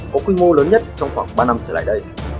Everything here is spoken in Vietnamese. có quy mô lớn nhất trong khoảng ba năm trở lại đây